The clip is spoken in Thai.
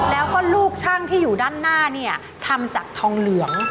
แล้วก็ลูกช่างที่อยู่ด้านหน้าเนี่ยทำจากทองเหลือง